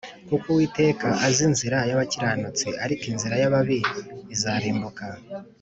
Kuko Uwiteka azi inzira y’abakiranutsi, Ariko inzira y’ababi izarimbuka.